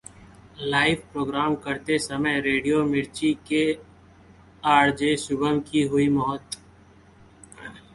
live program करते समय radio Mirchi के आरजे शुभम की हुई मौत